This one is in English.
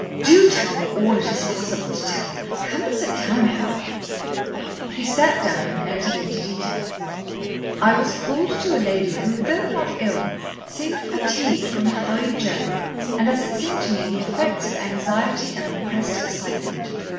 Do tell me all it is possible to tell. Come and sit down, Harold." He sat down and entered into details. "I was called to a lady who, though not ill, seemed fatigued from a hurried journey and, as it seemed to me, the effects of anxiety and repressed excitement.